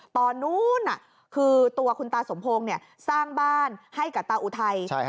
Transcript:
ตอนนู้นคือตัวคุณตาสมพงศ์สร้างบ้านให้กับตาอุทัย